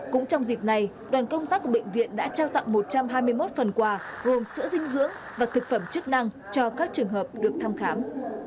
cũng trong dịp này đoàn công tác của bệnh viện đã trao tặng một trăm hai mươi một phần quà gồm sữa dinh dưỡng và thực phẩm chức năng cho các trường hợp được thăm khám